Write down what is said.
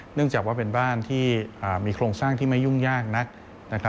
เนื่องจากว่าเป็นบ้านที่มีโครงสร้างที่ไม่ยุ่งยากนัก